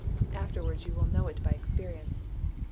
Afterwards you will know it by experience.